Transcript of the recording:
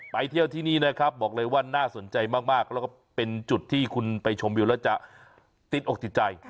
ไปเที่ยวที่นี่นะครับบอกเลยว่าน่าสนใจมากแล้วก็เป็นจุดที่คุณไปชมวิวแล้วจะติดอกติดใจ